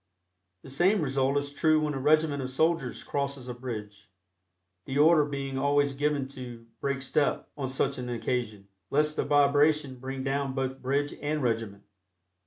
The same result is true when a regiment of soldiers crosses a bridge, the order being always given to "break step" on such an occasion, lest the vibration bring down both bridge and regiment.